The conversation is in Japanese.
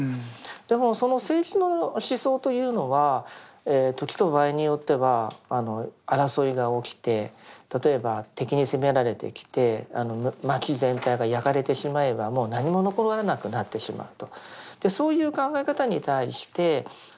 でもその政治の思想というのは時と場合によっては争いが起きて例えば敵に攻められてきて町全体が焼かれてしまえばもう何も残らなくなってしまうと。